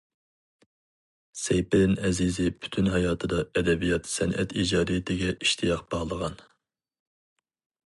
سەيپىدىن ئەزىزى پۈتۈن ھاياتىدا ئەدەبىيات- سەنئەت ئىجادىيىتىگە ئىشتىياق باغلىغان.